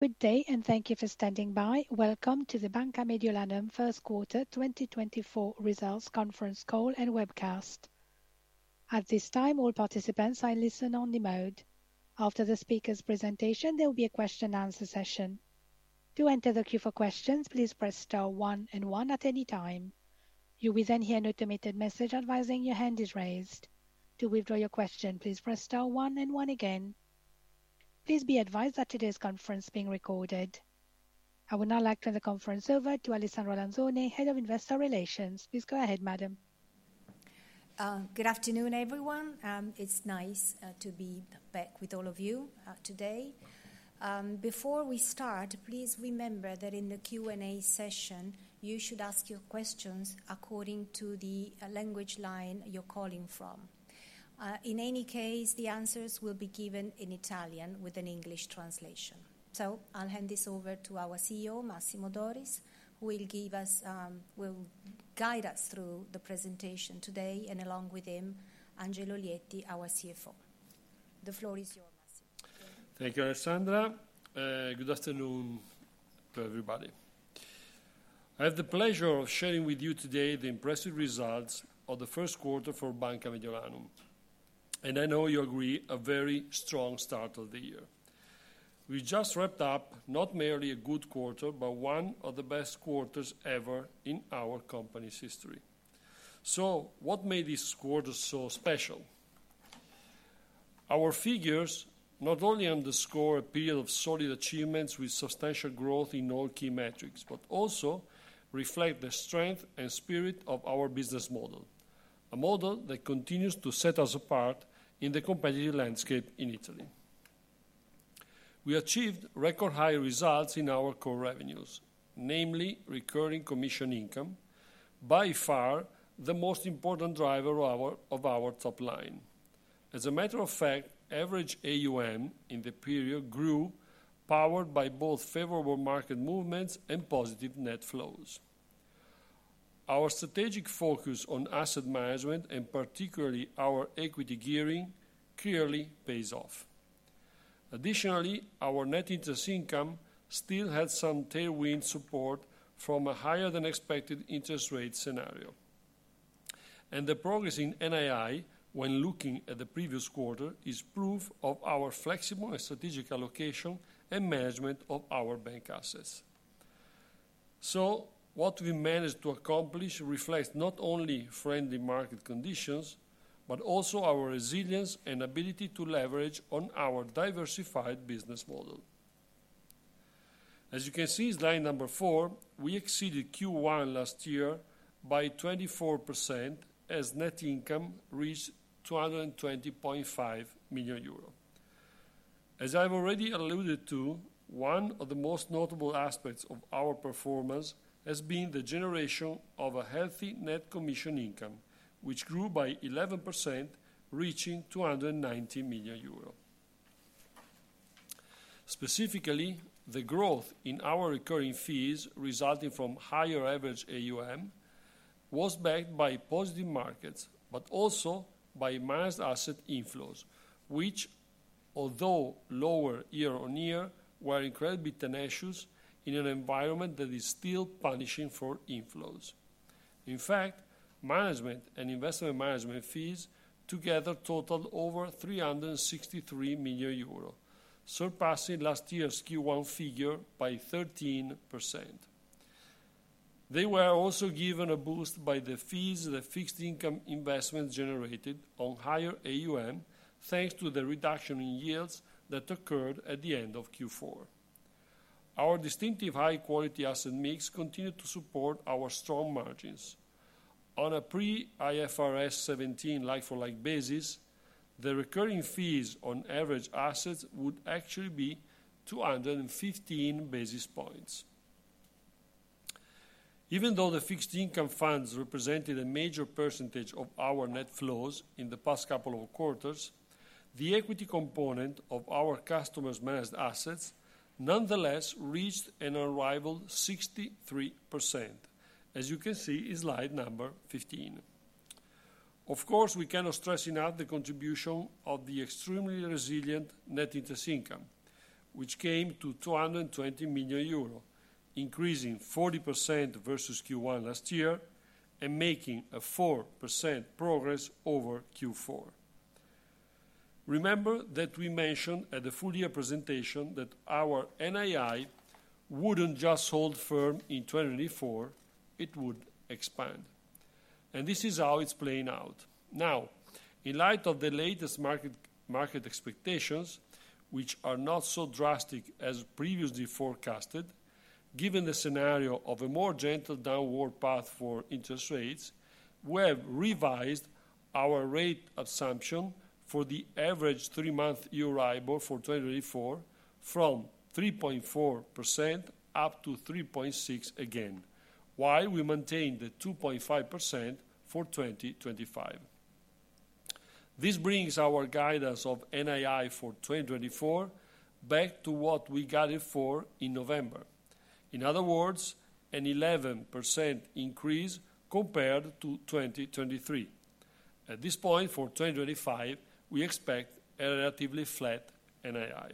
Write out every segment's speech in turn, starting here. Good day, and thank you for standing by. Welcome to the Banca Mediolanum first quarter 2024 results conference call and webcast. At this time, all participants are in listen-only mode. After the speaker's presentation, there will be a question and answer session. To enter the queue for questions, please press star one and one at any time. You will then hear an automated message advising your hand is raised. To withdraw your question, please press star one and one again. Please be advised that today's conference is being recorded. I would now like to turn the conference over to Alessandra Lanzoni, Head of Investor Relations. Please go ahead, madam. Good afternoon, everyone. It's nice to be back with all of you today. Before we start, please remember that in the Q&A session, you should ask your questions according to the language line you're calling from. In any case, the answers will be given in Italian with an English translation. So I'll hand this over to our CEO, Massimo Doris, who will guide us through the presentation today, and along with him, Angelo Lietti, our CFO. The floor is yours, Massimo. Thank you, Alessandra. Good afternoon to everybody. I have the pleasure of sharing with you today the impressive results of the first quarter for Banca Mediolanum, and I know you agree, a very strong start of the year. We just wrapped up not merely a good quarter, but one of the best quarters ever in our company's history. So what made this quarter so special? Our figures not only underscore a period of solid achievements with substantial growth in all key metrics, but also reflect the strength and spirit of our business model, a model that continues to set us apart in the competitive landscape in Italy. We achieved record high results in our core revenues, namely recurring commission income, by far the most important driver of our top line. As a matter of fact, average AUM in the period grew, powered by both favorable market movements and positive net flows. Our strategic focus on asset management, and particularly our equity gearing, clearly pays off. Additionally, our net interest income still had some tailwind support from a higher-than-expected interest rate scenario. The progress in NII, when looking at the previous quarter, is proof of our flexible and strategic allocation and management of our bank assets. What we managed to accomplish reflects not only friendly market conditions, but also our resilience and ability to leverage on our diversified business model. As you can see, slide number four, we exceeded Q1 last year by 24%, as net income reached 220.5 million euro. As I've already alluded to, one of the most notable aspects of our performance has been the generation of a healthy net commission income, which grew by 11%, reaching 290 million euro. Specifically, the growth in our recurring fees resulting from higher average AUM was backed by positive markets, but also by managed asset inflows, which, although lower year-on-year, were incredibly tenacious in an environment that is still punishing for inflows. In fact, management and investment management fees together totaled over 363 million euros, surpassing last year's Q1 figure by 13%. They were also given a boost by the fees that fixed income investments generated on higher AUM, thanks to the reduction in yields that occurred at the end of Q4. Our distinctive high-quality asset mix continued to support our strong margins. On a pre-IFRS 17 like-for-like basis, the recurring fees on average assets would actually be 215 basis points. Even though the fixed income funds represented a major percentage of our net flows in the past couple of quarters, the equity component of our customers' managed assets nonetheless reached an unrivaled 63%, as you can see in slide number 15. Of course, we cannot stress enough the contribution of the extremely resilient net interest income, which came to 220 million euro, increasing 40% versus Q1 last year and making a 4% progress over Q4. Remember that we mentioned at the full year presentation that our NII wouldn't just hold firm in 2024, it would expand, and this is how it's playing out. Now, in light of the latest market, market expectations, which are not so drastic as previously forecasted, given the scenario of a more gentle downward path for interest rates, we have revised our rate assumption for the average three-month Euribor for 2024 from 3.4% up to 3.6% again, while we maintain the 2.5% for 2025. This brings our guidance of NII for 2024 back to what we guided for in November. In other words, an 11% increase compared to 2023. At this point, for 2025, we expect a relatively flat NII.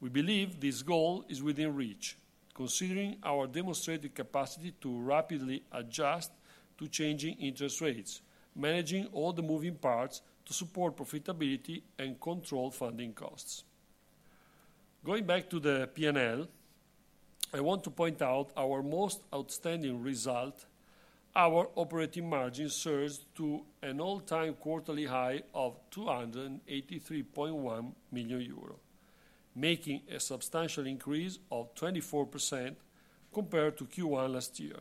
We believe this goal is within reach, considering our demonstrated capacity to rapidly adjust to changing interest rates, managing all the moving parts to support profitability and control funding costs. Going back to the P&L, I want to point out our most outstanding result, our operating margin surged to an all-time quarterly high of 283.1 million euro, making a substantial increase of 24% compared to Q1 last year.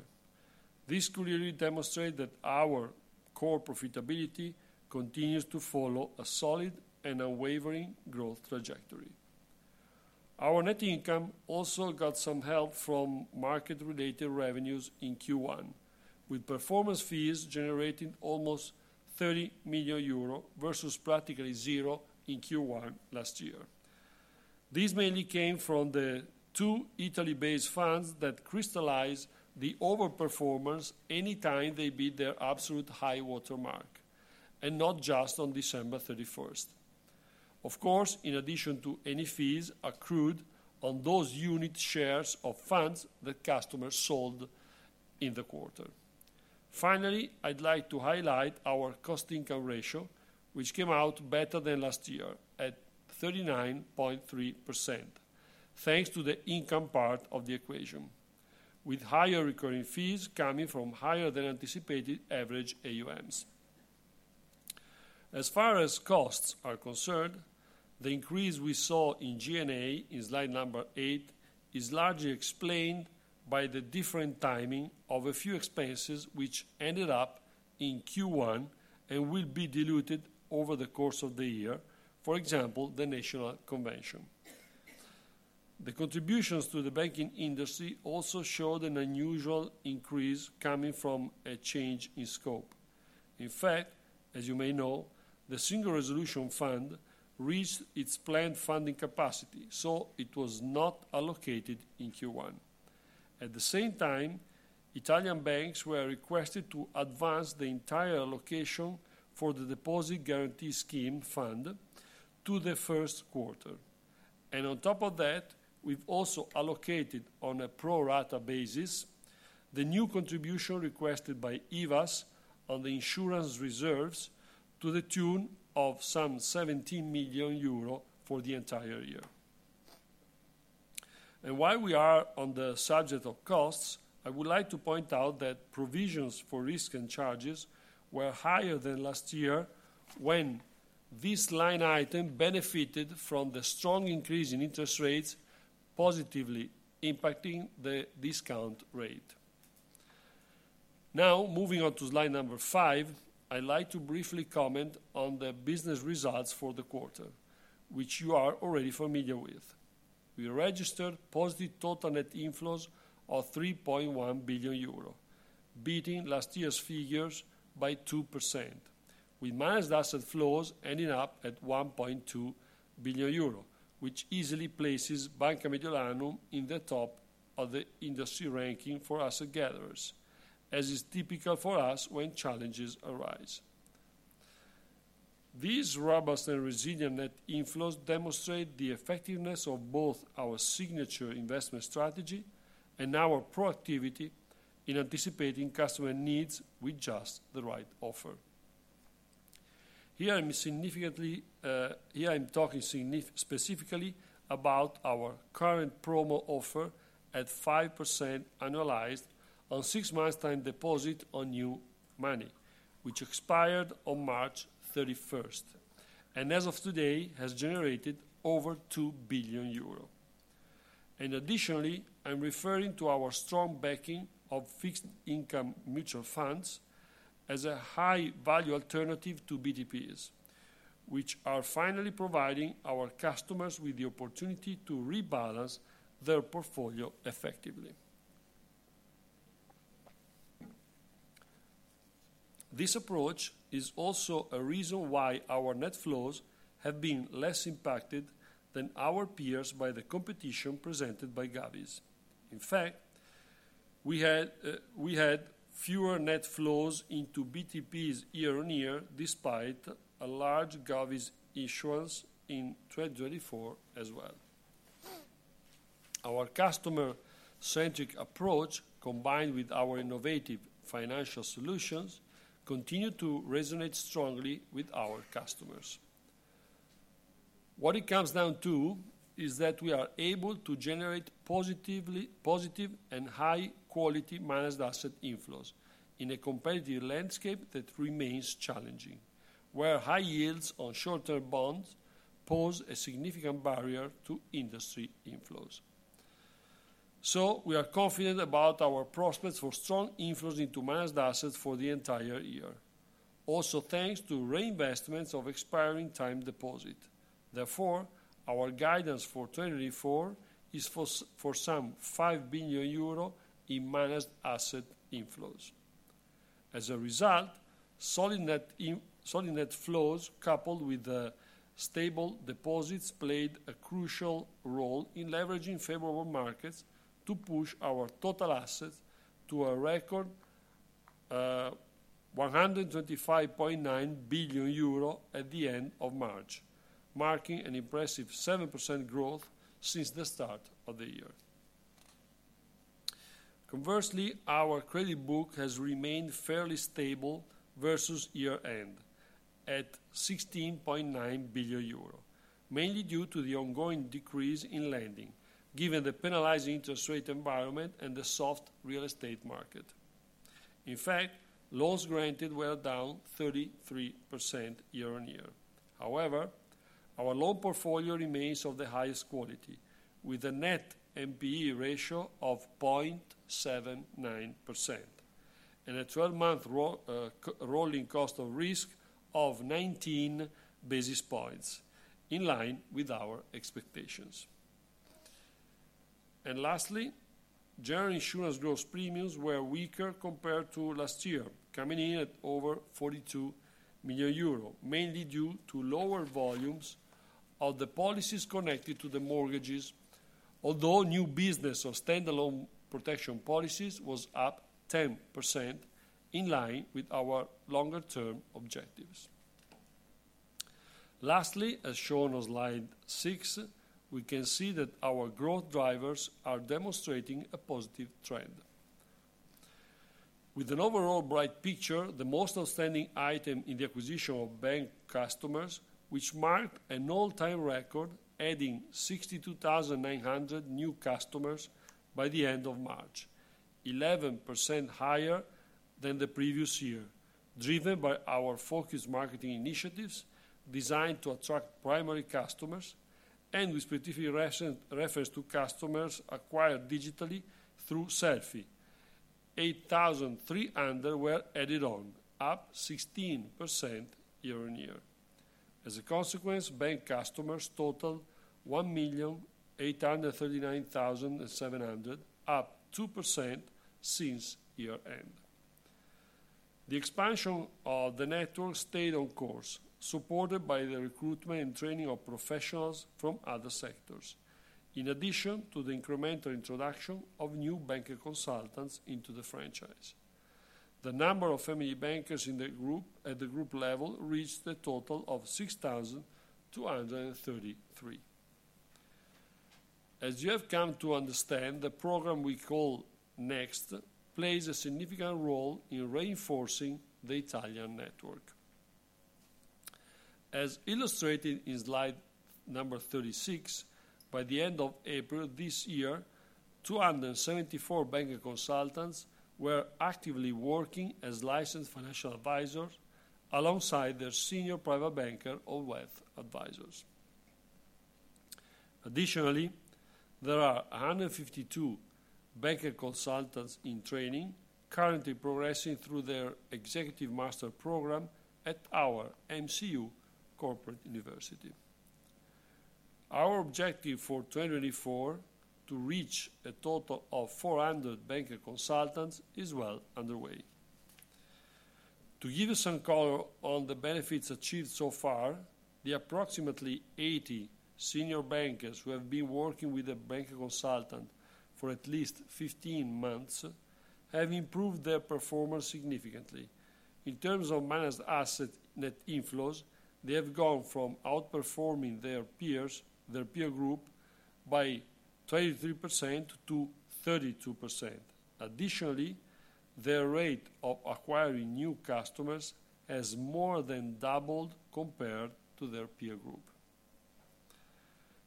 This clearly demonstrate that our core profitability continues to follow a solid and unwavering growth trajectory. Our net income also got some help from market-related revenues in Q1, with performance fees generating almost 30 million euro, versus practically zero in Q1 last year. This mainly came from the two Italy-based funds that crystallize the overperformance anytime they beat their absolute high-water mark, and not just on December 31st. Of course, in addition to any fees accrued on those unit shares of funds that customers sold in the quarter. Finally, I'd like to highlight our cost-income ratio, which came out better than last year at 39.3%, thanks to the income part of the equation, with higher recurring fees coming from higher than anticipated average AUMs. As far as costs are concerned, the increase we saw in G&A in slide number eight is largely explained by the different timing of a few expenses, which ended up in Q1 and will be diluted over the course of the year, for example, the National Convention. The contributions to the banking industry also showed an unusual increase coming from a change in scope. In fact, as you may know, the Single Resolution Fund reached its planned funding capacity, so it was not allocated in Q1. At the same time, Italian banks were requested to advance the entire allocation for the Deposit Guarantee Scheme fund to the first quarter. On top of that, we've also allocated on a pro-rata basis, the new contribution requested by IVASS on the insurance reserves to the tune of some 17 million euro for the entire year. And while we are on the subject of costs, I would like to point out that provisions for risk and charges were higher than last year, when this line item benefited from the strong increase in interest rates, positively impacting the discount rate. Now, moving on to slide number five, I'd like to briefly comment on the business results for the quarter, which you are already familiar with. We registered positive total net inflows of 3.1 billion euro, beating last year's figures by 2%, with managed asset flows ending up at 1.2 billion euro, which easily places Banca Mediolanum in the top of the industry ranking for asset gatherers, as is typical for us when challenges arise. These robust and resilient net inflows demonstrate the effectiveness of both our signature investment strategy and our proactivity in anticipating customer needs with just the right offer. Here, I'm talking specifically about our current promo offer at 5% annualized on six months time deposit on new money, which expired on March 31st, and as of today, has generated over 2 billion euro. Additionally, I'm referring to our strong backing of fixed income mutual funds as a high-value alternative to BTPs, which are finally providing our customers with the opportunity to rebalance their portfolio effectively. This approach is also a reason why our net flows have been less impacted than our peers by the competition presented by govies. In fact, we had, we had fewer net flows into BTPs year on year, despite a large govies issuance in 2024 as well. Our customer-centric approach, combined with our innovative financial solutions, continue to resonate strongly with our customers. What it comes down to is that we are able to generate positive and high-quality managed asset inflows in a competitive landscape that remains challenging, where high yields on short-term bonds pose a significant barrier to industry inflows. So we are confident about our prospects for strong inflows into managed assets for the entire year, also thanks to reinvestments of expiring time deposit. Therefore, our guidance for 2024 is for some 5 billion euro in managed asset inflows. As a result, solid net flows, coupled with the stable deposits, played a crucial role in leveraging favorable markets to push our total assets to a record 125.9 billion euro at the end of March, marking an impressive 7% growth since the start of the year. Conversely, our credit book has remained fairly stable versus year-end, at 16.9 billion euro, mainly due to the ongoing decrease in lending, given the penalizing interest rate environment and the soft real estate market. In fact, loans granted were down 33% year-on-year. However, our loan portfolio remains of the highest quality, with a net NPE ratio of 0.79% and a 12-month rolling cost of risk of 19 basis points, in line with our expectations. Lastly, general insurance gross premiums were weaker compared to last year, coming in at over 42 million euro, mainly due to lower volumes of the policies connected to the mortgages. Although, new business of standalone protection policies was up 10%, in line with our longer-term objectives. Lastly, as shown on slide six, we can see that our growth drivers are demonstrating a positive trend. With an overall bright picture, the most outstanding item in the acquisition of bank customers, which marked an all-time record, adding 62,900 new customers by the end of March. 11% higher than the previous year, driven by our focused marketing initiatives designed to attract primary customers and with specific reference to customers acquired digitally through Selfy. 8,300 were added on, up 16% year-on-year. As a consequence, bank customers total 1,839,700, up 2% since year-end. The expansion of the network stayed on course, supported by the recruitment and training of professionals from other sectors. In addition to the incremental introduction of Banker Consultants into the franchise. The Family Bankers in the group, at the group level, reached a total of 6,233. As you have come to understand, the program we call Next plays a significant role in reinforcing the Italian network. As illustrated in slide number 36, by the end of April this year, Banker Consultants were actively working as licensed financial advisors alongside their senior Private Banker or Wealth Advisors. Additionally, there are Banker Consultants in training, currently progressing through their executive master program at our MCU Corporate University. Our objective for 2024, to reach a total of Banker Consultants, is well underway. To give you some color on the benefits achieved so far, the approximately 80 senior bankers who have been working with a Banker Consultant for at least 15 months, have improved their performance significantly. In terms of managed asset net inflows, they have gone from outperforming their peers, their peer group, by 23% to 32%. Additionally, their rate of acquiring new customers has more than doubled compared to their peer group.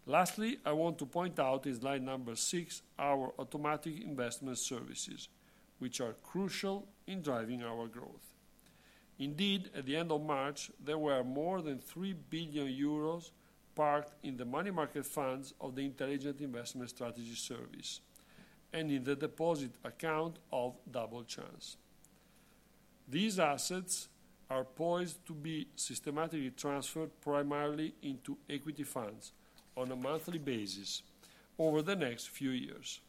Lastly, I want to point out in slide number six, our automatic investment services, which are crucial in driving our growth. Indeed, at the end of March, there were more than 3 billion euros parked in the money market funds of the Intelligent Investment Strategy service and in the deposit account of Double Chance. These assets are poised to be systematically transferred primarily into equity funds on a monthly basis over the next few years.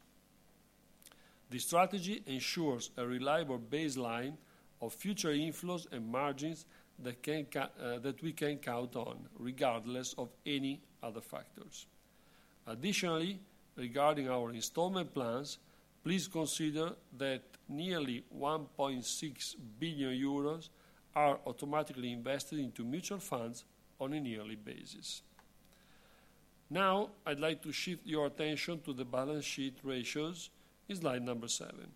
This strategy ensures a reliable baseline of future inflows and margins that we can count on, regardless of any other factors. Additionally, regarding our installment plans, please consider that nearly 1.6 billion euros are automatically invested into mutual funds on a yearly basis. Now, I'd like to shift your attention to the balance sheet ratios in slide number seven.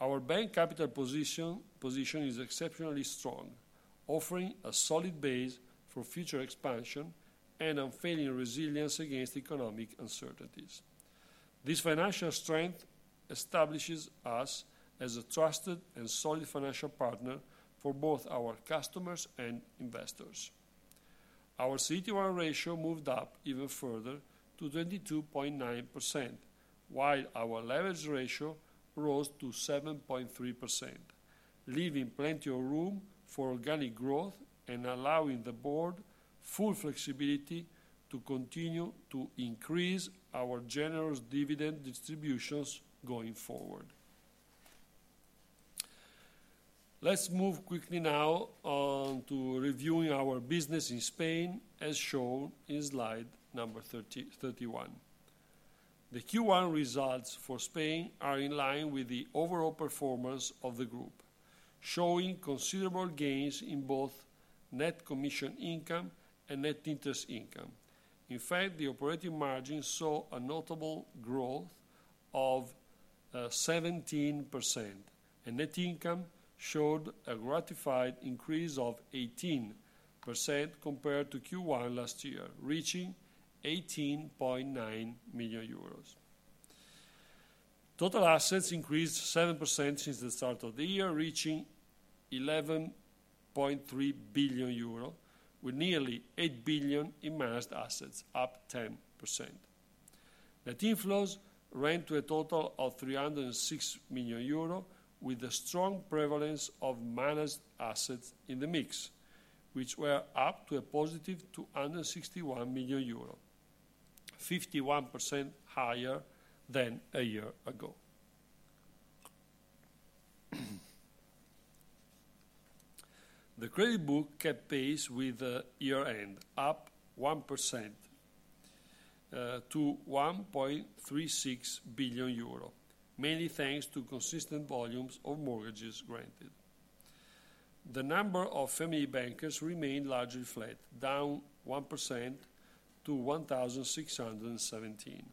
Our bank capital position, position is exceptionally strong, offering a solid base for future expansion and unfailing resilience against economic uncertainties. This financial strength establishes us as a trusted and solid financial partner for both our customers and investors. Our CET1 ratio moved up even further to 22.9%, while our leverage ratio rose to 7.3%, leaving plenty of room for organic growth and allowing the board full flexibility to continue to increase our generous dividend distributions going forward. Let's move quickly now on to reviewing our business in Spain, as shown in slide number 30, 31.... The Q1 results for Spain are in line with the overall performance of the group, showing considerable gains in both net commission income and net interest income. In fact, the operating margin saw a notable growth of 17%, and net income showed a gratifying increase of 18% compared to Q1 last year, reaching 18.9 million euros. Total assets increased 7% since the start of the year, reaching 11.3 billion euro, with nearly 8 billion in managed assets, up 10%. Net inflows ran to a total of 306 million euro, with a strong prevalence of managed assets in the mix, which were up to a positive 261 million euro, 51% higher than a year ago. The credit book kept pace with the year-end, up 1%, to 1.36 billion euro, mainly thanks to consistent volumes of mortgages granted. The Family Bankers remained largely flat, down 1% to 1,617.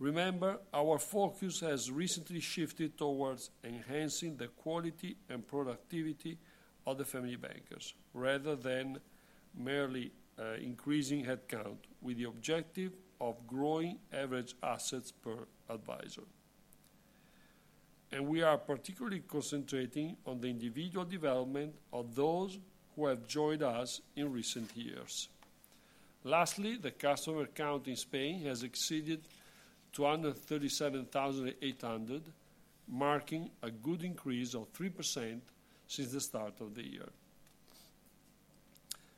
Remember, our focus has recently shifted towards enhancing the quality and productivity Family Bankers, rather than merely increasing headcount, with the objective of growing average assets per advisor. And we are particularly concentrating on the individual development of those who have joined us in recent years. Lastly, the customer count in Spain has exceeded 237,800, marking a good increase of 3% since the start of the year.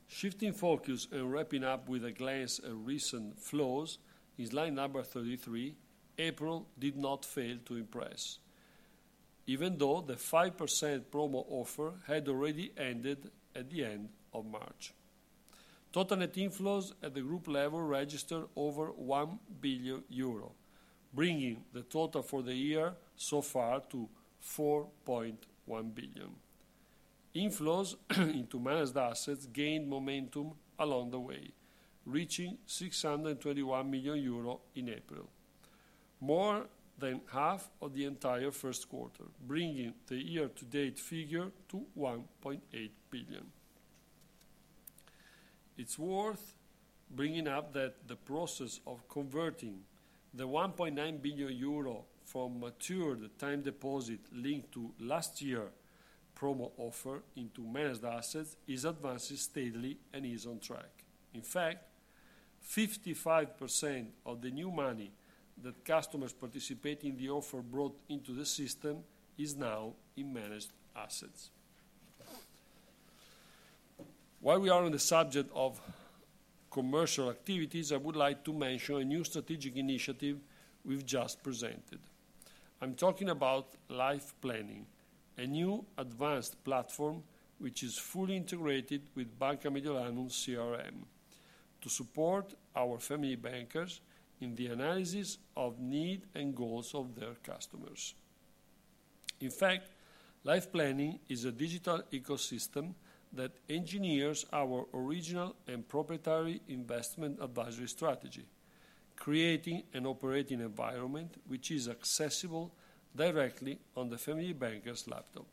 Shifting focus and wrapping up with a glance at recent flows, slide number 33, April did not fail to impress, even though the 5% promo offer had already ended at the end of March. Total net inflows at the group level registered over 1 billion euro, bringing the total for the year so far to 4.1 billion. Inflows into managed assets gained momentum along the way, reaching 621 million euro in April, more than half of the entire first quarter, bringing the year-to-date figure to 1.8 billion. It's worth bringing up that the process of converting the 1.9 billion euro from matured time deposit linked to last year promo offer into managed assets is advancing steadily and is on track. In fact, 55% of the new money that customers participating in the offer brought into the system is now in managed assets. While we are on the subject of commercial activities, I would like to mention a new strategic initiative we've just presented. I'm talking about Life Planning, a new advanced platform, which is fully integrated with Banca Mediolanum CRM, to Family Bankers in the analysis of need and goals of their customers. In fact, Life Planning is a digital ecosystem that engineers our original and proprietary investment advisory strategy, creating an operating environment which is accessible directly on the Family Banker's laptop.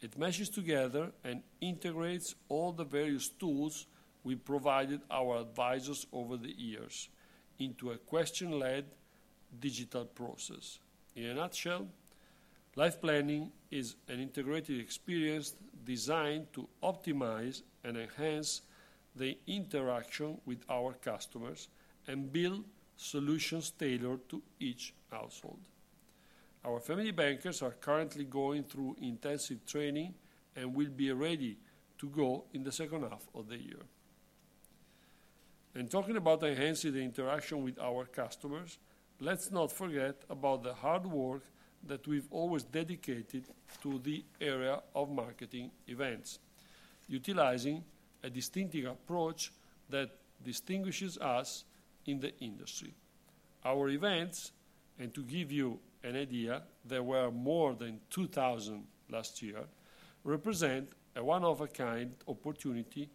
It meshes together and integrates all the various tools we provided our advisors over the years into a question-led digital process. In a nutshell, Life Planning is an integrated experience designed to optimize and enhance the interaction with our customers and build solutions tailored to each Family Bankers are currently going through intensive training and will be ready to go in the second half of the year. And talking about enhancing the interaction with our customers, let's not forget about the hard work that we've always dedicated to the area of marketing events, utilizing a distinctive approach that distinguishes us in the industry. Our events, and to give you an idea, there were more than 2,000 last year, represent a one-of-a-kind opportunity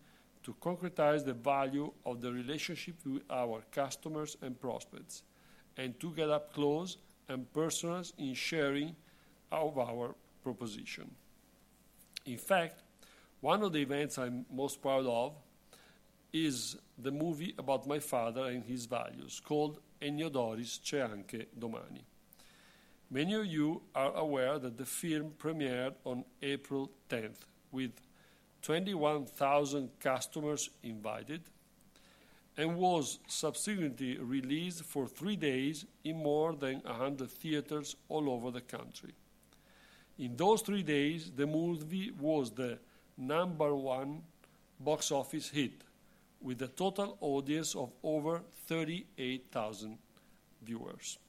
to concretize the value of the relationship with our customers and prospects, and to get up close and personal in sharing of our proposition. In fact, one of the events I'm most proud of is the movie about my father and his values, called Ennio Doris: C'è anche domani. Many of you are aware that the film premiered on April tenth, with 21,000 customers invited, and was subsequently released for three days in more than 100 theaters all over the country. In those three days, the movie was the number one box office hit, with a total audience of over 38,000 viewers....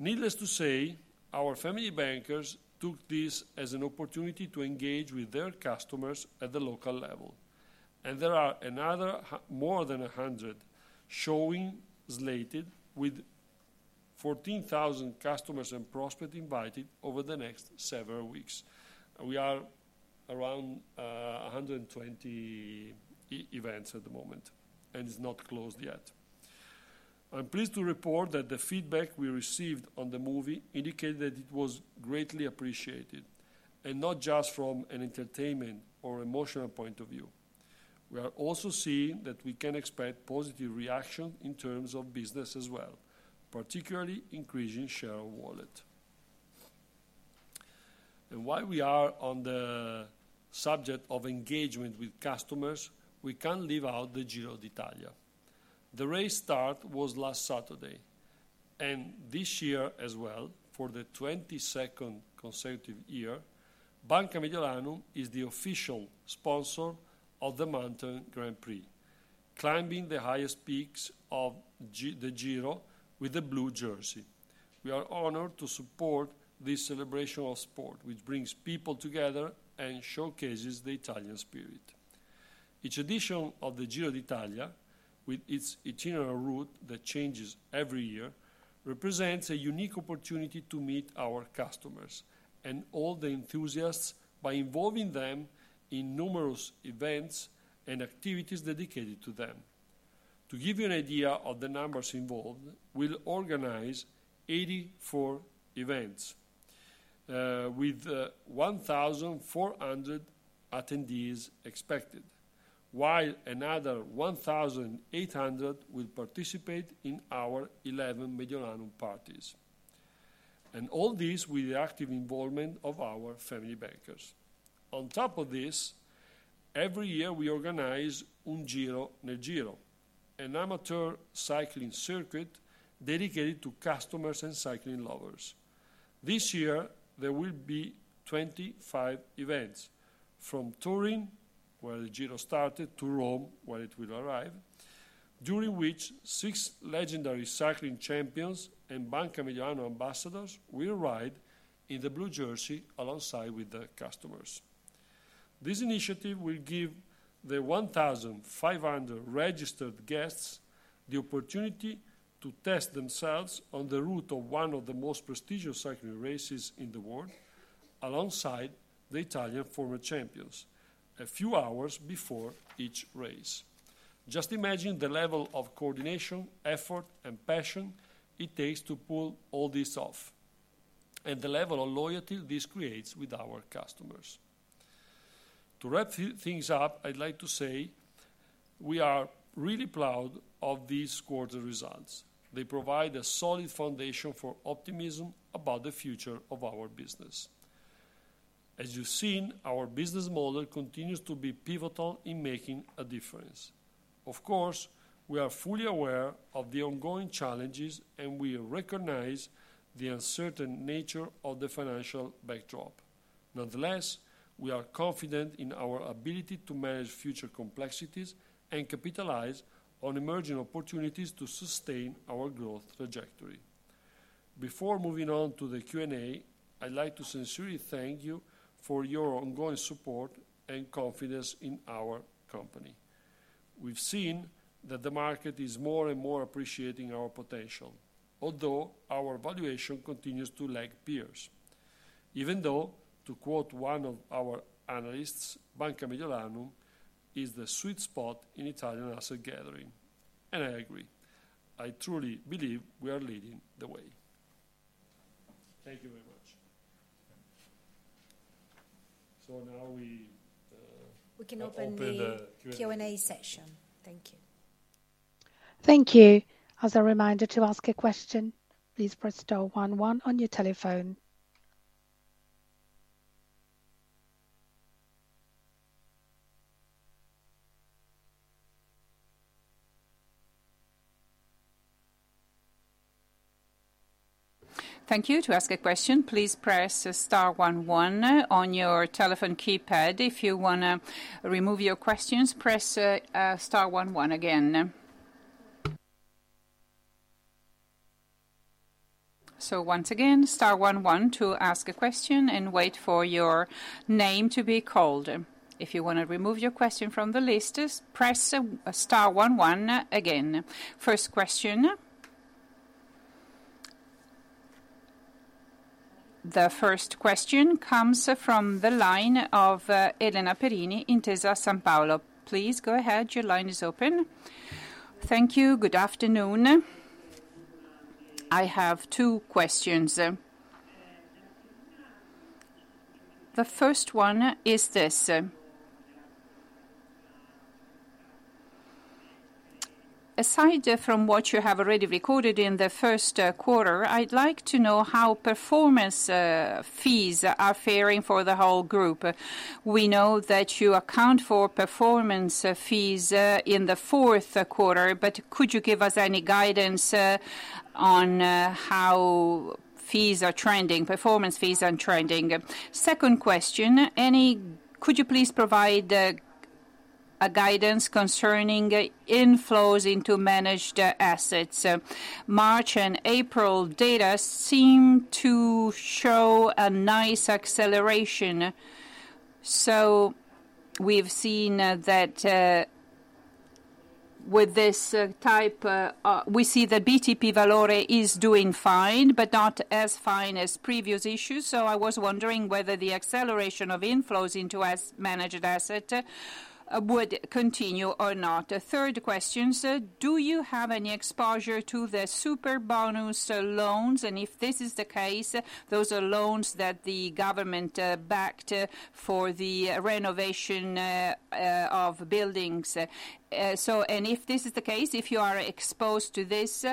Needless to say, Family Bankers took this as an opportunity to engage with their customers at the local level, and there are more than 100 showings slated, with 14,000 customers and prospects invited over the next several weeks. We are around 120 events at the moment, and it's not closed yet. I'm pleased to report that the feedback we received on the movie indicated that it was greatly appreciated, and not just from an entertainment or emotional point of view. We are also seeing that we can expect positive reaction in terms of business as well, particularly increasing share of wallet. While we are on the subject of engagement with customers, we can't leave out the Giro d'Italia. The race start was last Saturday, and this year as well, for the 22nd consecutive year, Banca Mediolanum is the official sponsor of the Mountain Grand Prix, climbing the highest peaks of the Giro with the blue jersey. We are honored to support this celebration of sport, which brings people together and showcases the Italian spirit. Each edition of the Giro d'Italia, with its itinerant route that changes every year, represents a unique opportunity to meet our customers and all the enthusiasts, by involving them in numerous events and activities dedicated to them. To give you an idea of the numbers involved, we'll organize 84 events, with 1,400 attendees expected, while another 1,800 will participate in our 11 Mediolanum parties, and all this with the active involvement of our Family Bankers. On top of this, every year we organize Un Giro nel Giro, an amateur cycling circuit dedicated to customers and cycling lovers. This year, there will be 25 events, from Turin, where the Giro started, to Rome, where it will arrive, during which six legendary cycling champions and Banca Mediolanum ambassadors will ride in the blue jersey alongside with the customers. This initiative will give the 1,500 registered guests the opportunity to test themselves on the route of one of the most prestigious cycling races in the world, alongside the Italian former champions, a few hours before each race. Just imagine the level of coordination, effort, and passion it takes to pull all this off, and the level of loyalty this creates with our customers. To wrap a few things up, I'd like to say we are really proud of these quarter results. They provide a solid foundation for optimism about the future of our business. As you've seen, our business model continues to be pivotal in making a difference. Of course, we are fully aware of the ongoing challenges, and we recognize the uncertain nature of the financial backdrop. Nonetheless, we are confident in our ability to manage future complexities and capitalize on emerging opportunities to sustain our growth trajectory. Before moving on to the Q&A, I'd like to sincerely thank you for your ongoing support and confidence in our company. We've seen that the market is more and more appreciating our potential, although our valuation continues to lag peers. Even though, to quote one of our analysts, "Banca Mediolanum is the sweet spot in Italian asset gathering," and I agree. I truly believe we are leading the way. Thank you very much. So now we We can open the- Open the Q&A. Q&A session. Thank you. Thank you. As a reminder, to ask a question, please press star one one on your telephone. Thank you. To ask a question, please press star one one on your telephone keypad. If you wanna remove your questions, press star one one again. So once again, star one one to ask a question and wait for your name to be called. If you want to remove your question from the list, just press star one one again. First question. The first question comes from the line of Elena Perini, Intesa Sanpaolo. Please go ahead. Your line is open. Thank you. Good afternoon. I have two questions. The first one is this: Aside from what you have already recorded in the first quarter, I'd like to know how performance fees are faring for the whole group. We know that you account for performance fees in the fourth quarter, but could you give us any guidance on how fees are trending, performance fees are trending? Second question, could you please provide a guidance concerning inflows into managed assets. March and April data seem to show a nice acceleration. So we've seen that with this type we see the BTP Valore is doing fine, but not as fine as previous issues. So I was wondering whether the acceleration of inflows into managed assets would continue or not? Third question, sir, do you have any exposure to the Superbonus loans? And if this is the case, those are loans that the government backed for the renovation of buildings. So, and if this is the case, if you are exposed to this,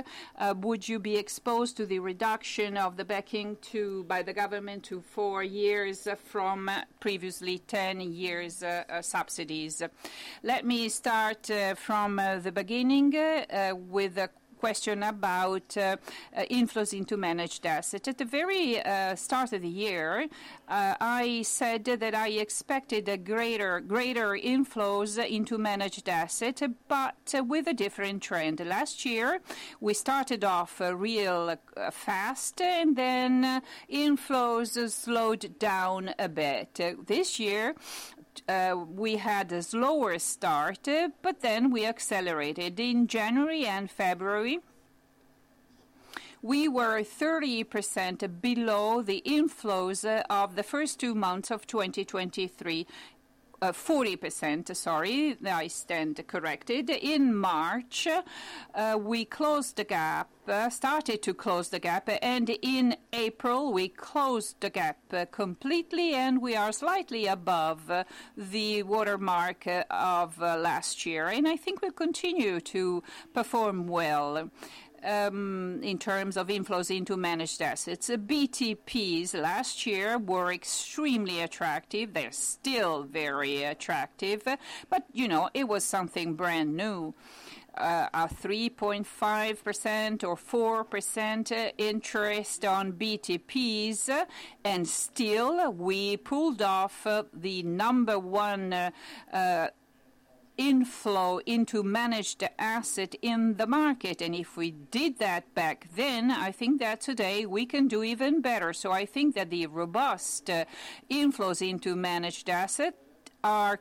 would you be exposed to the reduction of the backing to... by the government to four years from previously 10 years, subsidies? Let me start from the beginning with a question about inflows into managed asset. At the very start of the year, I said that I expected a greater, greater inflows into managed asset, but with a different trend. Last year, we started off real fast, and then inflows slowed down a bit. This year, we had a slower start, but then we accelerated. In January and February, we were 30% below the inflows of the first two months of 2023. 40%, sorry, I stand corrected. In March, we closed the gap, started to close the gap, and in April, we closed the gap completely, and we are slightly above the high-water mark of last year. And I think we continue to perform well in terms of inflows into managed assets. BTPs last year were extremely attractive. They're still very attractive, but you know, it was something brand new. A 3.5% or 4% interest on BTPs, and still, we pulled off the number one inflow into managed asset in the market. And if we did that back then, I think that today we can do even better. So I think that the robust inflows into managed asset are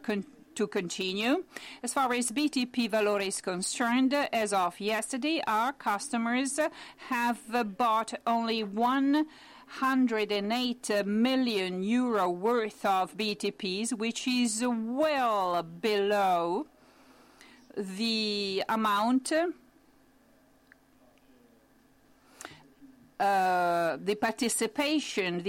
to continue. As far as BTP Valore is concerned, as of yesterday, our customers have bought only 108 million euro worth of BTPs, which is well below the amount, the participation, participation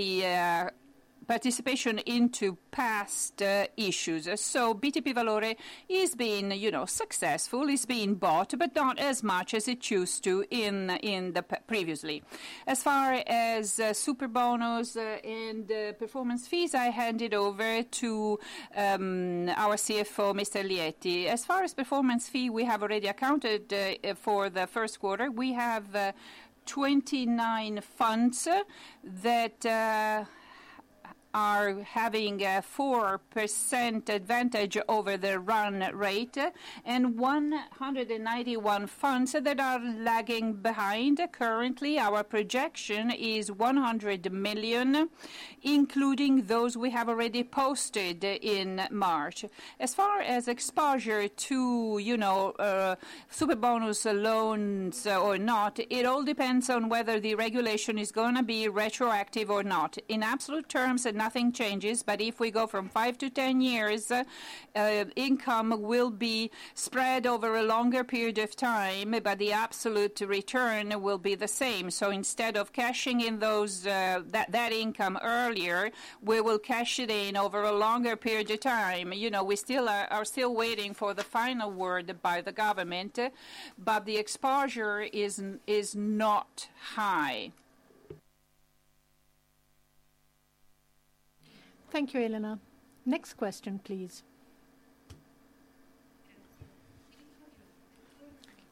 into past issues. So BTP Valore is being, you know, successful, is being bought, but not as much as it used to in the previously. As far as Superbonus and performance fees, I hand it over to our CFO, Mr. Lietti. As far as performance fee, we have already accounted for the first quarter. We have 29 funds that are having a 4% advantage over the run rate, and 191 funds that are lagging behind. Currently, our projection is 100 million, including those we have already posted in March. As far as exposure to, you know, Superbonus loans or not, it all depends on whether the regulation is gonna be retroactive or not. In absolute terms, nothing changes, but if we go from 5 to 10 years, income will be spread over a longer period of time, but the absolute return will be the same. So instead of cashing in those, that, that income earlier, we will cash it in over a longer period of time. You know, we still are, are still waiting for the final word by the government, but the exposure isn't, is not high. Thank you, Elena. Next question, please.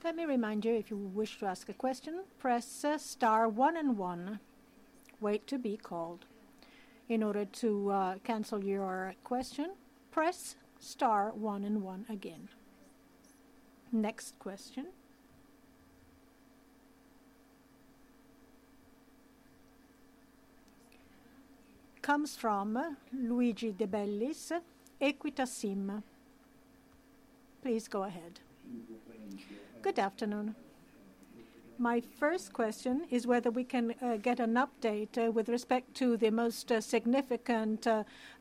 Let me remind you, if you wish to ask a question, press star one and one, wait to be called. In order to cancel your question, press star one and one again. Next question comes from Luigi De Bellis, Equita SIM. Please go ahead. Good afternoon. My first question is whether we can get an update with respect to the most significant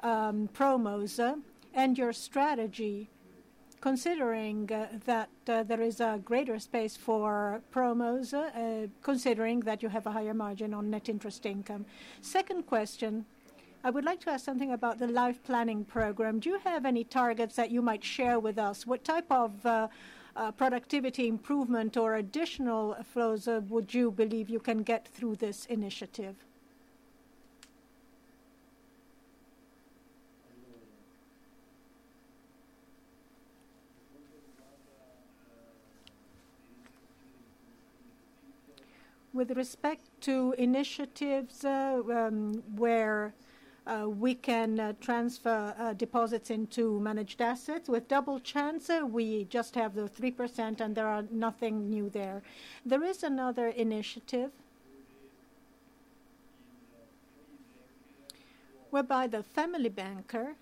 promos and your strategy, considering that there is a greater space for promos, considering that you have a higher margin on net interest income. Second question, I would like to ask something about the life planning program. Do you have any targets that you might share with us? What type of productivity improvement or additional flows would you believe you can get through this initiative? With respect to initiatives, where we can transfer deposits into managed assets, with Double Chance, we just have the 3% and there are nothing new there. There is another initiative whereby the Family Banker,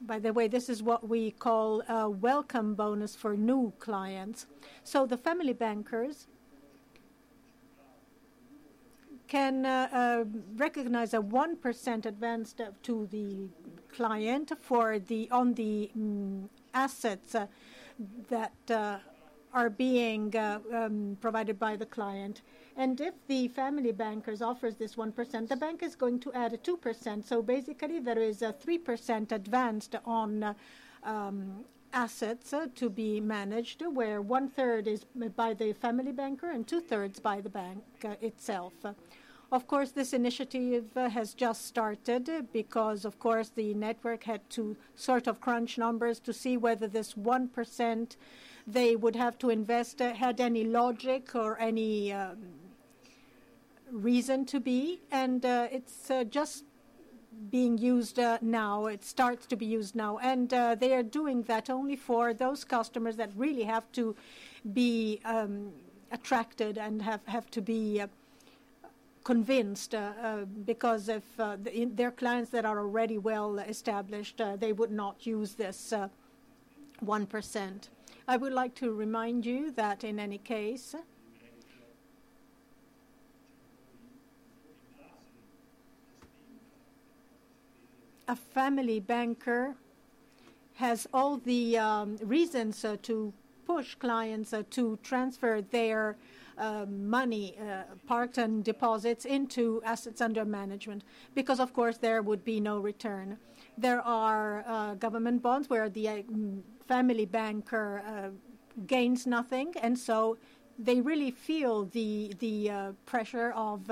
by the way, this is what we call a welcome bonus for new clients. Family Bankers can recognize a 1% advance to the client on the assets that are being provided by the client. And Family Bankers offers this 1%, the bank is going to add a 2%. So basically, there is a 3% advance on assets to be managed, where one-third is by the Family Banker and two-thirds by the bank itself. Of course, this initiative has just started because of course, the network had to sort of crunch numbers to see whether this 1% they would have to invest, had any logic or any reason to be. And it's just being used now. It starts to be used now. And they are doing that only for those customers that really have to be attracted and have to be convinced because if their clients that are already well established, they would not use this 1%. I would like to remind you that in any case, a Family Banker has all the reasons to push clients to transfer their money, part and deposits into assets under management, because of course there would be no return. There are government bonds where the Family Banker gains nothing, and so they really feel the pressure of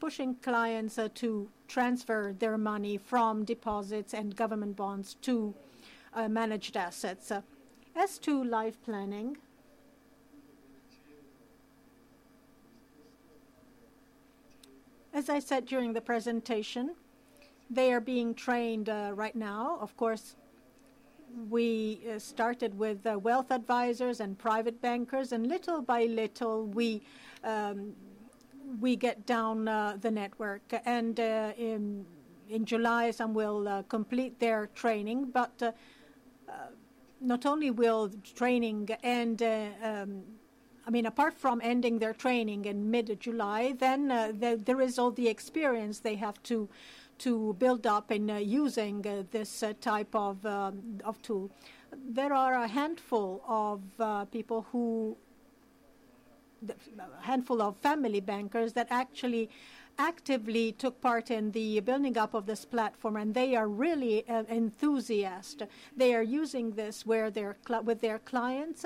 pushing clients to transfer their money from deposits and government bonds to managed assets. As to Life Planning, as I said during the presentation, they are being trained right now. Of course, we started with Wealth Advisors and Private Bankers, and little by little, we get down the network. And in July, some will complete their training, but not only will training end... I mean, apart from ending their training in mid-July, then there is all the experience they have to build up in using this type of tool. There are a Family Bankers that actually actively took part in the building up of this platform, and they are really enthusiastic. They are using this with their clients,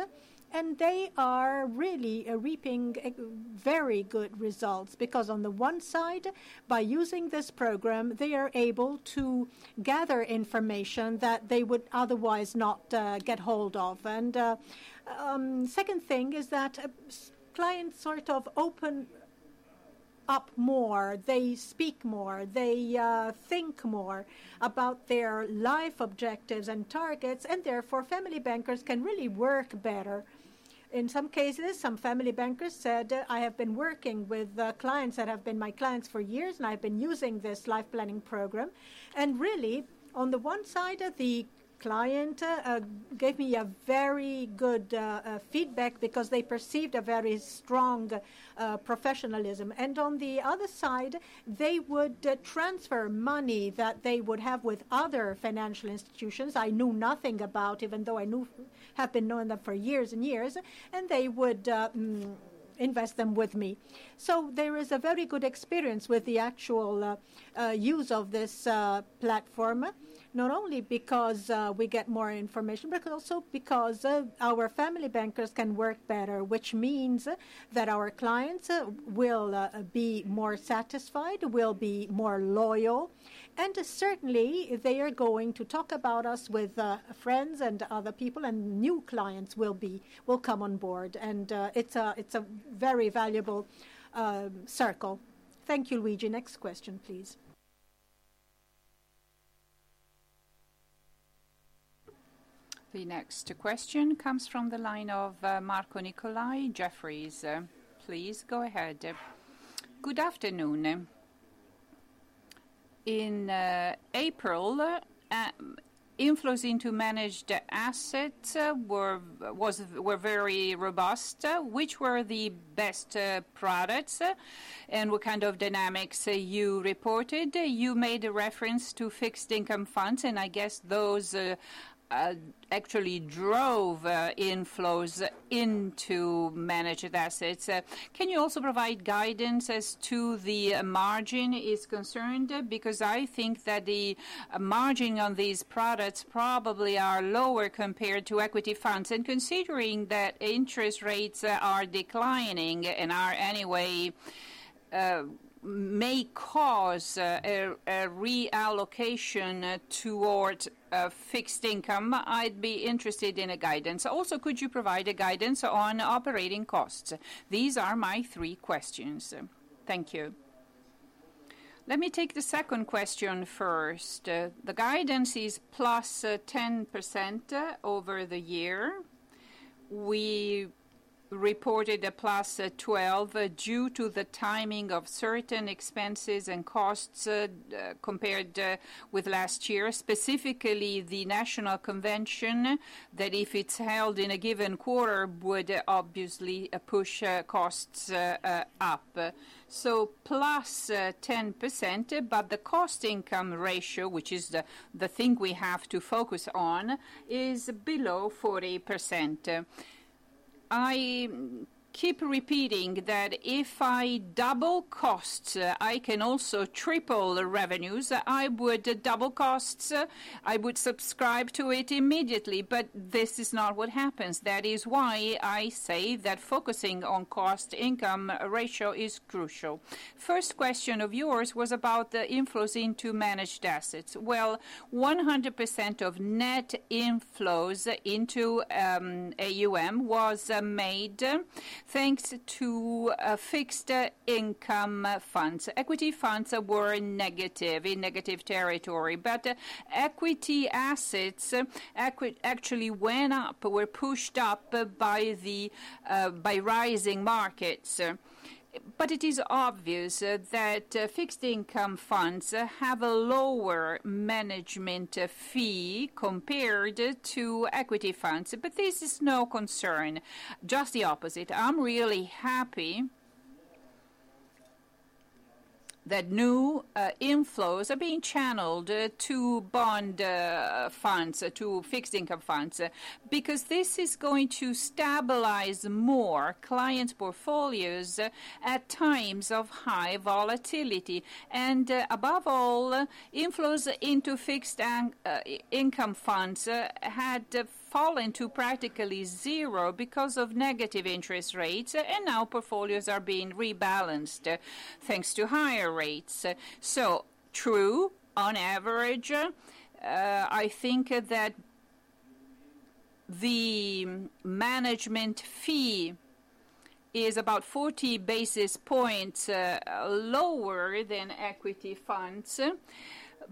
and they are really reaping a very good results. Because on the one side, by using this program, they are able to gather information that they would otherwise not get hold of. And second thing is that clients sort of open up more, they speak more, they think more about their life objectives and targets, Family Bankers can really work better. In some Family Bankers said, "i have been working with clients that have been my clients for years, and I've been using this life planning program. And really, on the one side, the client gave me a very good feedback because they perceived a very strong professionalism. And on the other side, they would transfer money that they would have with other financial institutions I knew nothing about, even though I knew, have been knowing them for years and years, and they would invest them with me." So there is a very good experience with the actual use of this platform, not only because we get more information, but also Family Bankers can work better, which means that our clients will be more satisfied, will be more loyal, and certainly, they are going to talk about us with friends and other people, and new clients will come on board, and it's a, it's a very valuable circle. Thank you, Luigi. Next question, please. The next question comes from the line of Marco Nicolai, Jefferies. Please go ahead. Good afternoon. In April, inflows into managed assets were very robust. Which were the best products, and what kind of dynamics you reported? You made a reference to fixed income funds, and I guess those actually drove inflows into managed assets. Can you also provide guidance as to the margin is concerned? Because I think that the margin on these products probably are lower compared to equity funds. And considering that interest rates are declining and are anyway may cause a reallocation toward fixed income? I'd be interested in a guidance. Also, could you provide a guidance on operating costs? These are my three questions. Thank you. Let me take the second question first. The guidance is +10% over the year. We reported a +12% due to the timing of certain expenses and costs, compared with last year, specifically the national convention, that if it's held in a given quarter, would obviously push costs up. So +10%, but the cost income ratio, which is the thing we have to focus on, is below 40%. I keep repeating that if I double costs, I can also triple the revenues. I would double costs, I would subscribe to it immediately, but this is not what happens. That is why I say that focusing on cost income ratio is crucial. First question of yours was about the inflows into managed assets. Well, 100% of net inflows into AUM was made thanks to fixed income funds. Equity funds were negative, in negative territory, but equity assets actually went up, were pushed up by rising markets. But it is obvious that fixed income funds have a lower management fee compared to equity funds, but this is no concern, just the opposite. I'm really happy that new inflows are being channeled to bond funds, to fixed income funds, because this is going to stabilize more clients' portfolios at times of high volatility. And above all, inflows into fixed income funds had fallen to practically zero because of negative interest rates, and now portfolios are being rebalanced thanks to higher rates. So true, on average, I think that the management fee is about 40 basis points lower than equity funds.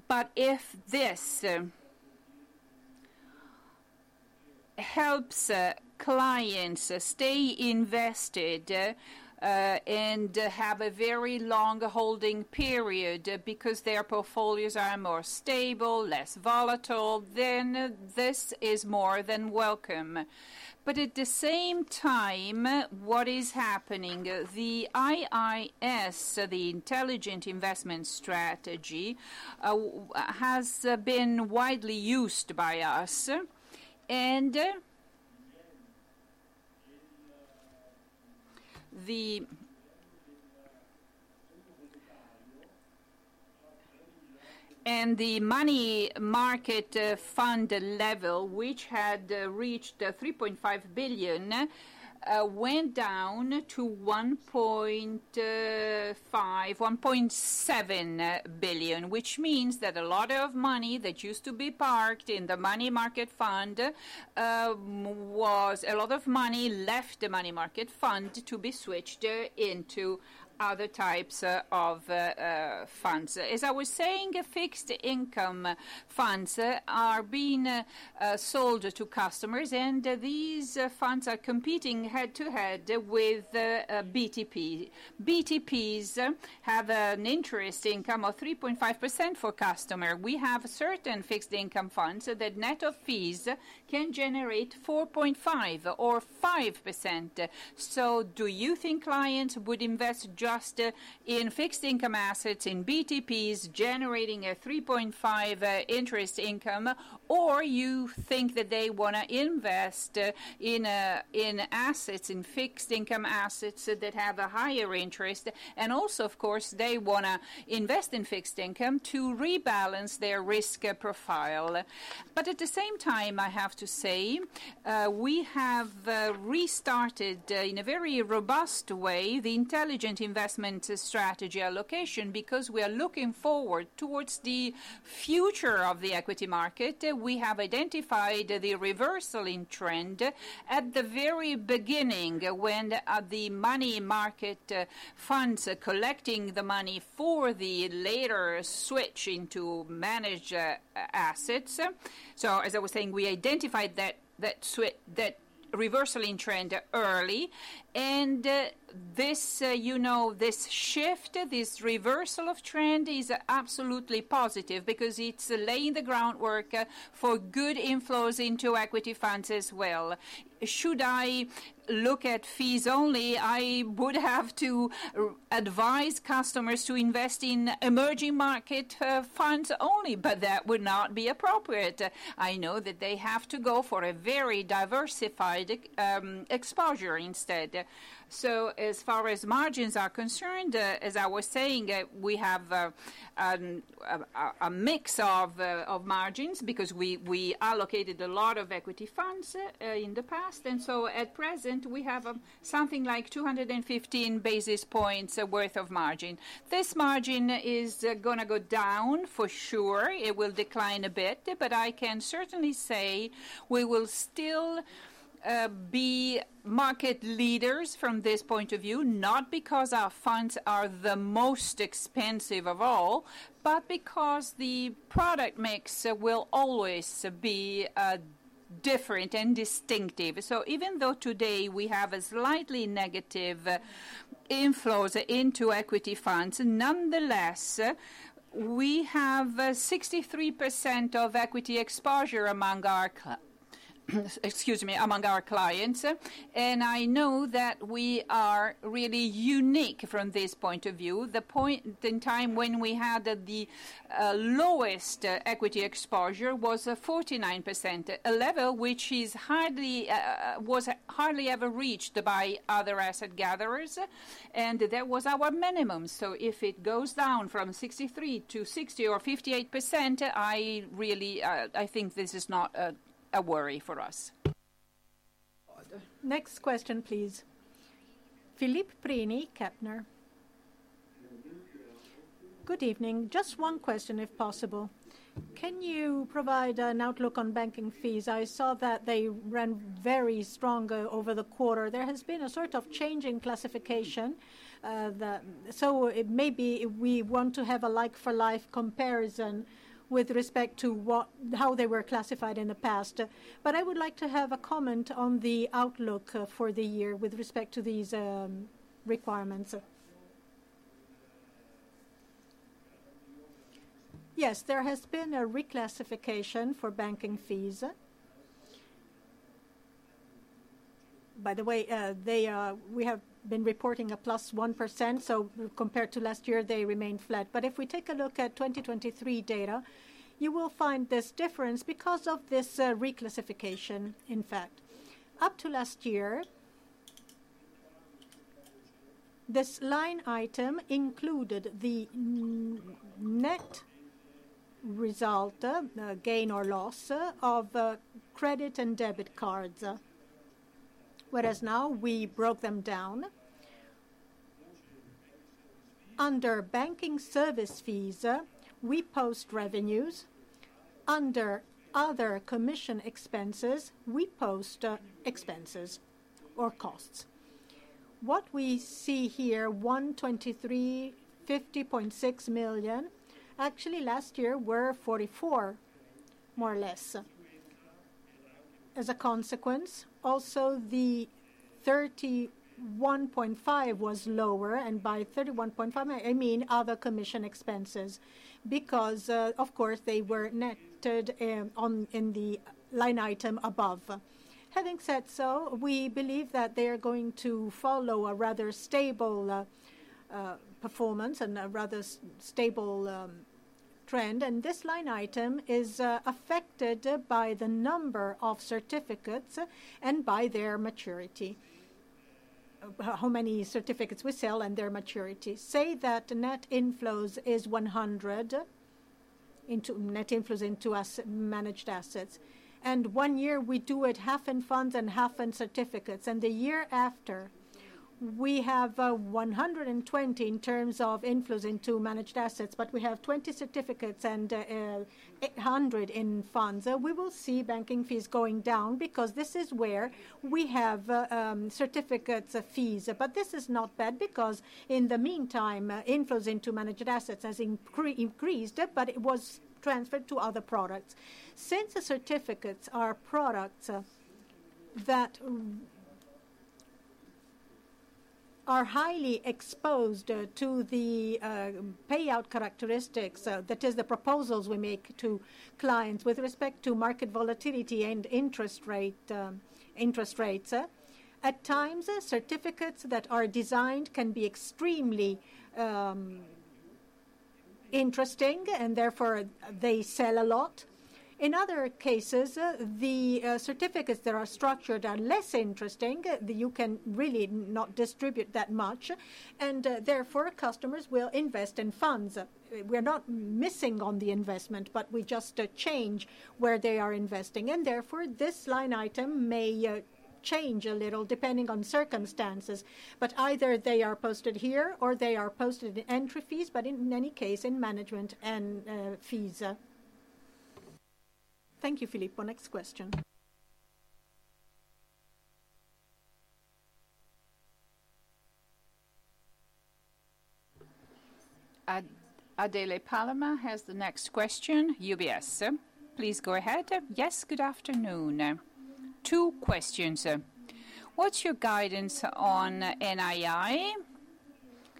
But if this helps clients stay invested and have a very long holding period because their portfolios are more stable, less volatile, then this is more than welcome. But at the same time, what is happening? The IIS, the Intelligent Investment Strategy, has been widely used by us. And the money market fund level, which had reached 3.5 billion, went down to 1.5 billion-1.7 billion, which means that a lot of money that used to be parked in the money market fund was... A lot of money left the money market fund to be switched into other types of funds. As I was saying, fixed income funds are being sold to customers, and these funds are competing head-to-head with BTP. BTPs have an interest income of 3.5% for customer. We have certain fixed income funds that net of fees can generate 4.5% or 5%. So do you think clients would invest just in fixed income assets, in BTPs, generating a 3.5% interest income? Or you think that they want to invest in assets, in fixed income assets that have a higher interest, and also, of course, they want to invest in fixed income to rebalance their risk profile. But at the same time, I have to say, we have restarted in a very robust way, the Intelligent Investment Strategy allocation, because we are looking forward towards the future of the equity market. We have identified the reversal in trend at the very beginning, when the money market funds are collecting the money for the later switch into managed assets. So as I was saying, we identified that reversal in trend early, and this, you know, this shift, this reversal of trend is absolutely positive because it's laying the groundwork for good inflows into equity funds as well. Should I look at fees only, I would have to advise customers to invest in emerging market funds only, but that would not be appropriate. I know that they have to go for a very diversified exposure instead. So as far as margins are concerned, as I was saying, we have a mix of margins because we allocated a lot of equity funds in the past. At present, we have something like 215 basis points worth of margin. This margin is going to go down for sure. It will decline a bit, but I can certainly say we will still be market leaders from this point of view, not because our funds are the most expensive of all, but because the product mix will always be-... different and distinctive. So even though today we have a slightly negative inflows into equity funds, nonetheless, we have 63% of equity exposure among our clients. And I know that we are really unique from this point of view. The point in time when we had the lowest equity exposure was 49%, a level which is hardly, was hardly ever reached by other asset gatherers, and that was our minimum. So if it goes down from 63% to 60% or 58%, I really, I think this is not a worry for us. Next question, please. Filippo Prini, Kepler Cheuvreux. Good evening. Just one question, if possible. Can you provide an outlook on banking fees? I saw that they ran very strong over the quarter. There has been a sort of change in classification, the... So it may be we want to have a like-for-like comparison with respect to what-- how they were classified in the past. But I would like to have a comment on the outlook for the year with respect to these, requirements. Yes, there has been a reclassification for banking fees. By the way, they, we have been reporting a plus 1%, so compared to last year, they remained flat. But if we take a look at 2023 data, you will find this difference because of this, reclassification, in fact. Up to last year, this line item included the net result, gain or loss, of credit and debit cards, whereas now we broke them down. Under banking service fees, we post revenues. Under other commission expenses, we post expenses or costs. What we see here, 123.56 million, actually last year were 44 million, more or less. As a consequence, also, the 31.5 million was lower, and by 31.5 million, I mean other commission expenses, because, of course, they were netted, on, in the line item above. Having said so, we believe that they are going to follow a rather stable performance and a rather stable trend. And this line item is affected by the number of certificates and by their maturity. How many certificates we sell and their maturity. Say that the net inflows is 100 into net inflows into AUM, and one year we do it half in funds and half in certificates, and the year after, we have 120 in terms of inflows into managed assets, but we have 20 certificates and 100 in funds. We will see banking fees going down because this is where we have certificates fees. But this is not bad, because in the meantime, inflows into managed assets has increased, but it was transferred to other products. Since the certificates are products that are highly exposed to the payout characteristics that is the proposals we make to clients with respect to market volatility and interest rate, interest rates, at times, certificates that are designed can be extremely interesting, and therefore they sell a lot. In other cases, the certificates that are structured are less interesting. You can really not distribute that much, and therefore, customers will invest in funds. We're not missing on the investment, but we just change where they are investing, and therefore, this line item may change a little, depending on circumstances. But either they are posted here or they are posted in entry fees, but in any case, in management and fees. Thank you, Filippo. Next question. Adele Palamà has the next question, UBS. Please go ahead. Yes, good afternoon. Two questions. What's your guidance on NII?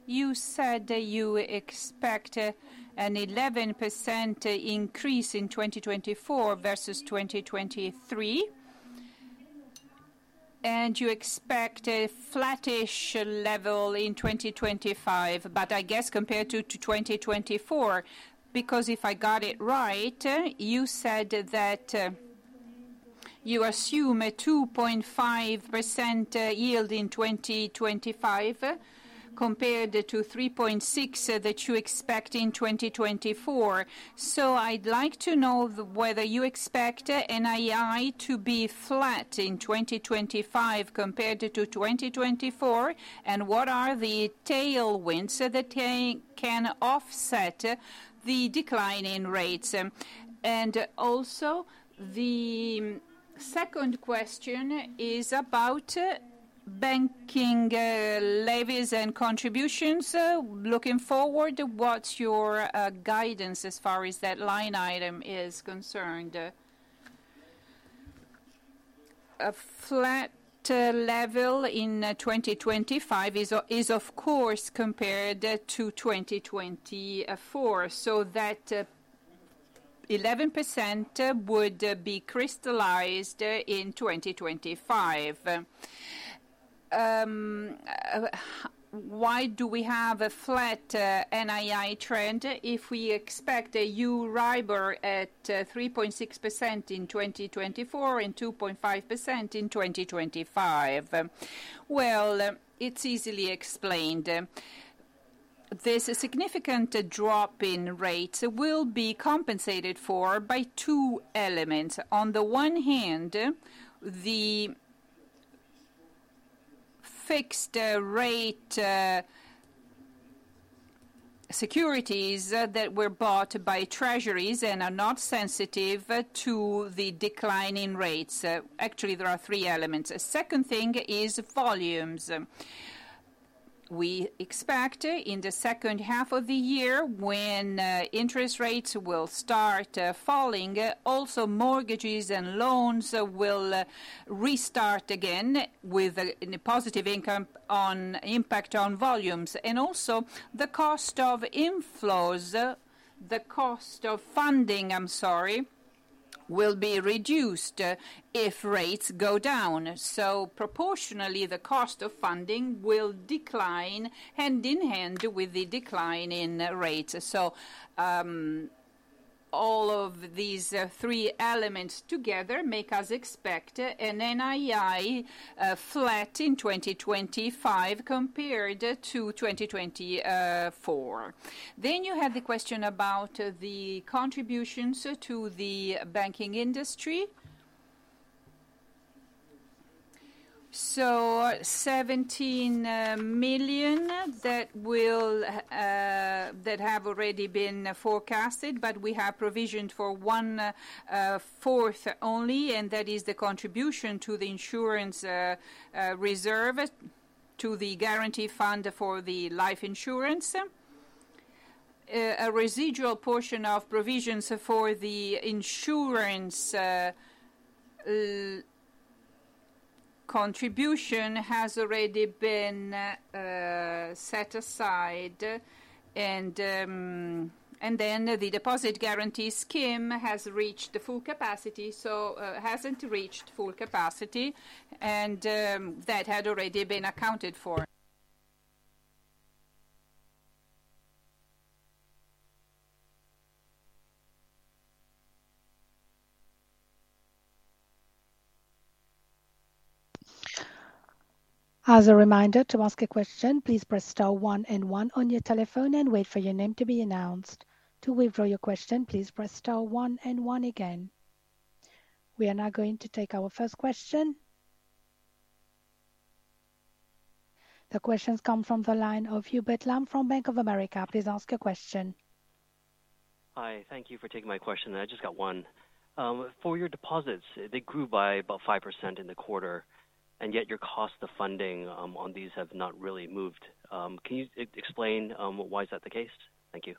You said that you expect an 11% increase in 2024 versus 2023, and you expect a flattish level in 2025, but I guess compared to 2024. Because if I got it right, you said that you assume a 2.5% yield in 2025 compared to 3.6 that you expect in 2024. So I'd like to know whether you expect NII to be flat in 2025 compared to 2024, and what are the tailwinds so that they can offset the decline in rates? And also, the second question is about... ... banking, levies and contributions, looking forward, what's your guidance as far as that line item is concerned? A flat level in 2025 is of course compared to 2024. So that 11% would be crystallized in 2025. Why do we have a flat NII trend if we expect a Euribor at 3.6% in 2024 and 2.5% in 2025? Well, it's easily explained. There's a significant drop in rates will be compensated for by two elements. On the one hand, the fixed rate securities that were bought by Treasury and are not sensitive to the decline in rates. Actually, there are three elements. A second thing is volumes. We expect in the second half of the year, when interest rates will start falling, also mortgages and loans will restart again with a, the positive income on impact on volumes. And also the cost of inflows, the cost of funding, I'm sorry, will be reduced if rates go down. So proportionally, the cost of funding will decline hand in hand with the decline in rates. So all of these three elements together make us expect an NII flat in 2025 compared to 2024. Then you have the question about the contributions to the banking industry. So EUR 17 million, that will that have already been forecasted, but we have provisioned for one fourth only, and that is the contribution to the insurance reserve, to the guarantee fund for the life insurance. A residual portion of provisions for the insurance contribution has already been set aside, and then the Deposit Guarantee Scheme has reached full capacity, so hasn't reached full capacity, and that had already been accounted for. As a reminder, to ask a question, please press star one and one on your telephone and wait for your name to be announced. To withdraw your question, please press star one and one again. We are now going to take our first question. The questions come from the line of Hubert Lam from Bank of America. Please ask your question. Hi. Thank you for taking my question. I just got one. For your deposits, they grew by about 5% in the quarter, and yet your cost of funding on these have not really moved. Can you explain why is that the case? Thank you.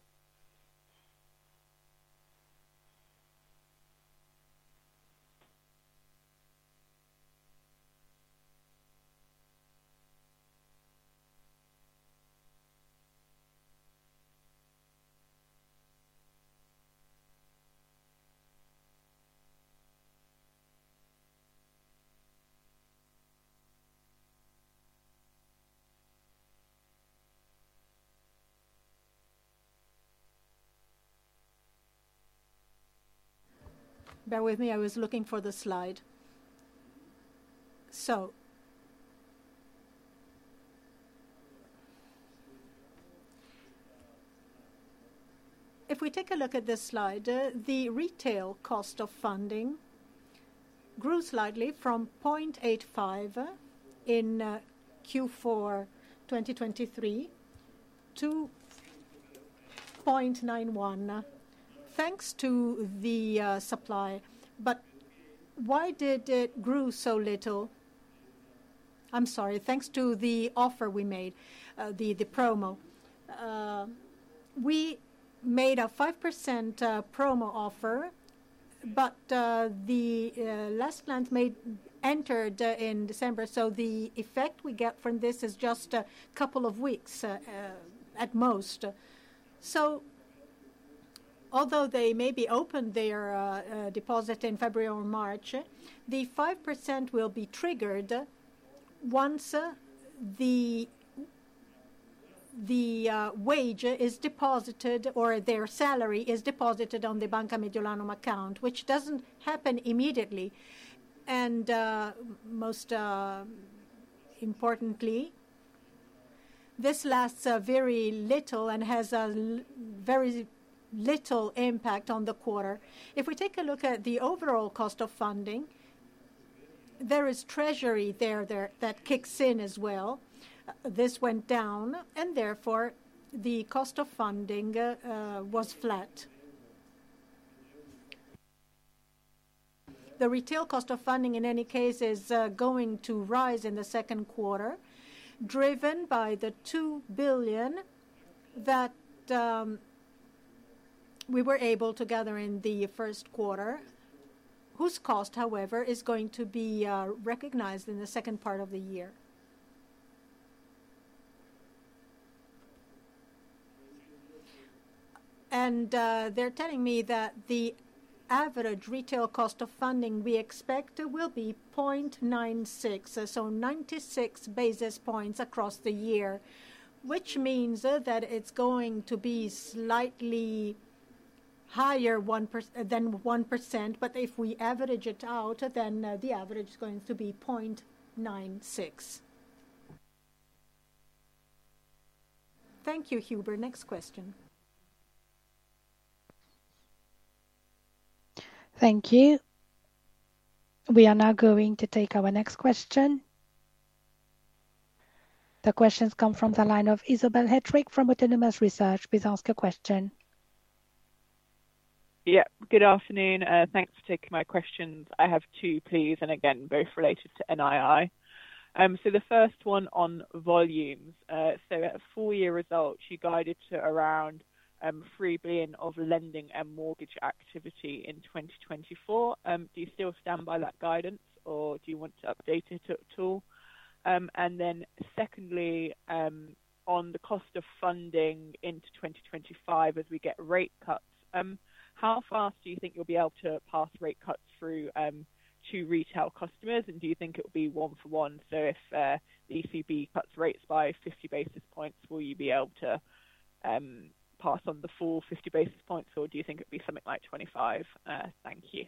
Bear with me, I was looking for the slide. So if we take a look at this slide, the retail cost of funding grew slightly from 0.85 in Q4 2023 to 0.91, thanks to the supply. But why did it grew so little? I'm sorry, thanks to the offer we made, the promo. We made a 5% promo offer, but the last plans made entered in December, so the effect we get from this is just a couple of weeks at most. So although they may be open their deposit in February or March, the 5% will be triggered once the wage is deposited, or their salary is deposited on the Banca Mediolanum account, which doesn't happen immediately. And, most importantly, this lasts very little and has very little impact on the quarter. If we take a look at the overall cost of funding, there is treasury there that kicks in as well. This went down, and therefore, the cost of funding was flat. The retail cost of funding, in any case, is going to rise in the second quarter, driven by the 2 billion that we were able to gather in the first quarter, whose cost, however, is going to be recognized in the second part of the year. And, they're telling me that the average retail cost of funding we expect will be 0.96, so 96 basis points across the year, which means that it's going to be slightly higher one perc... than 1%, but if we average it out, then, the average is going to be 0.96. Thank you, Hubert. Next question. Thank you. We are now going to take our next question. The question's come from the line of Isobel Hettrick from Autonomous Research. Please ask your question. Yeah, good afternoon, thanks for taking my questions. I have two, please, and again, both related to NII. So the first one on volumes. So at full year results, you guided to around 3 billion of lending and mortgage activity in 2024. Do you still stand by that guidance, or do you want to update it at all? And then secondly, on the cost of funding into 2025, as we get rate cuts, how fast do you think you'll be able to pass rate cuts through to retail customers? And do you think it will be one-for-one, so if the ECB cuts rates by 50 basis points, will you be able to pass on the full 50 basis points, or do you think it'd be something like 25? Thank you.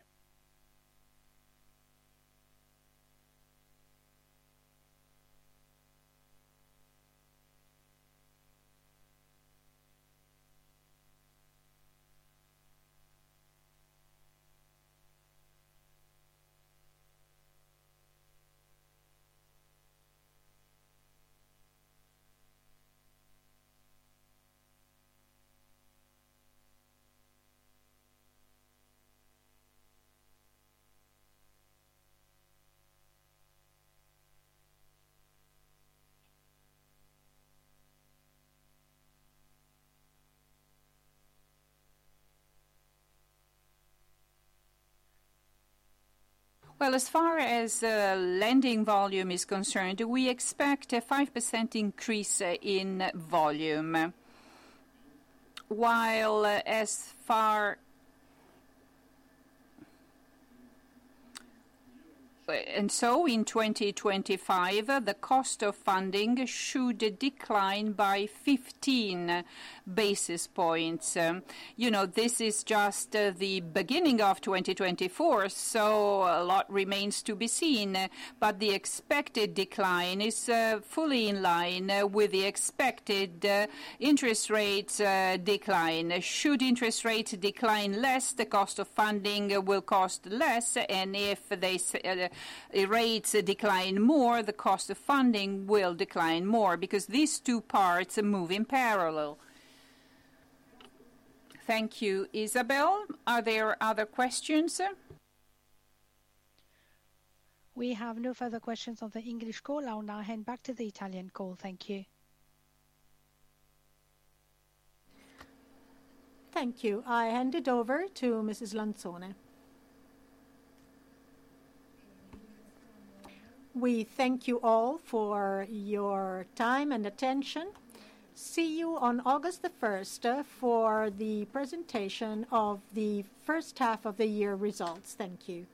Well, as far as lending volume is concerned, we expect a 5% increase in volume. And so in 2025, the cost of funding should decline by 15 basis points. You know, this is just the beginning of 2024, so a lot remains to be seen, but the expected decline is fully in line with the expected interest rates decline. Should interest rates decline less, the cost of funding will cost less, and if they, the rates decline more, the cost of funding will decline more because these two parts move in parallel. Thank you, Isobel. Are there other questions, sir? We have no further questions on the English call. I'll now hand back to the Italian call. Thank you. Thank you. I hand it over to Mrs. Lanzone. We thank you all for your time and attention. See you on August the first, for the presentation of the first half of the year results. Thank you.